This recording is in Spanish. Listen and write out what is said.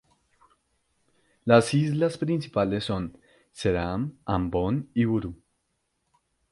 Las islas principales son: Ceram, Ambon y Buru.